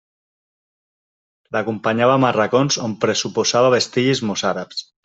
L'acompanyàvem a racons on pressuposava vestigis mossàrabs.